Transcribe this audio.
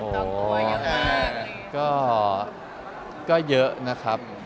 โอ้ค่ะก็เยอะนะครับ